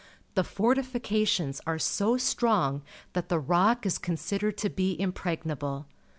The fortifications are so strong that the Rock is considered to be impregnable.